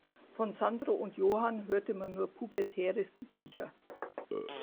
Von Sandro und Johann hörte man nur pubertäres Gekicher.